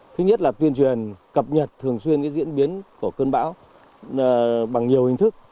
thứ nhất là tuyên truyền cập nhật thường xuyên diễn biến của cơn bão bằng nhiều hình thức